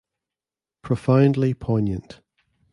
Profoundly poignant.